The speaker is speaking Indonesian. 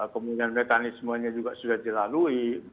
kemudian mekanismenya juga sudah dilalui